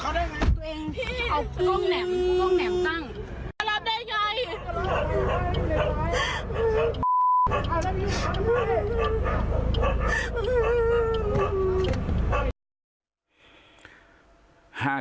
รับได้ไง